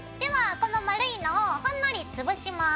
この丸いのをほんのり潰します。